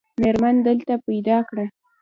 مېرمن دلته پیدا کړه.